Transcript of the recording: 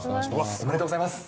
おめでとうございます。